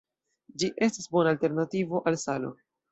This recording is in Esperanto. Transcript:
Ĝi estas bona alternativo al salo.